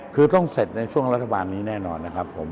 คือต้องเสร็จในช่วงรัฐบาลนี้แน่นอนนะครับผม